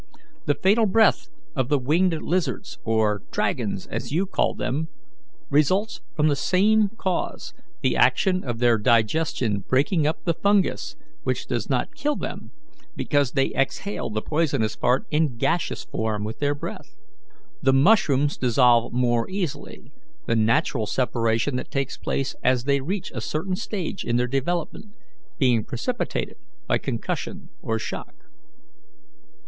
The fatal breath of the winged lizards or dragons, as you call them results from the same cause, the action of their digestion breaking up the fungus, which does not kill them, because they exhale the poisonous part in gaseous form with their breath. The mushrooms dissolve more easily; the natural separation that takes place as they reach a certain stage in their development being precipitated by concussion or shock.